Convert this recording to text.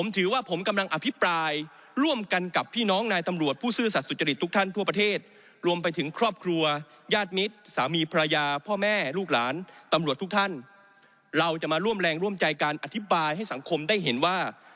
ตำรวจทุกท่านเราจะมาร่วมแรงร่วมใจการอธิบายให้สังคมได้เห็นว่า